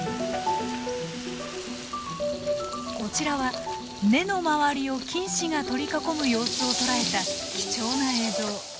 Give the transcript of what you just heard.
こちらは根の周りを菌糸が取り囲む様子を捉えた貴重な映像。